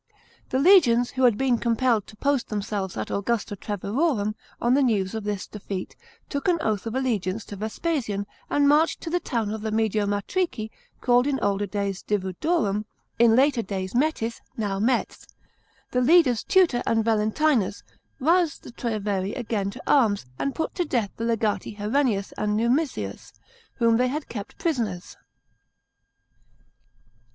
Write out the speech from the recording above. The legions, who had been compelled to post themselves at Augusta Treverorum, on the news of this defeat, took an oath of allegiance to Vespasian, and marched to the town of the Mediomatrici, called in older days Divodurum, in later days Mettis, now Metz. The leaders Tutor and Valentinus roused the Treveri again to arms, and put to death the leyati Herennius and Numisius, whom they had kept prison< rs.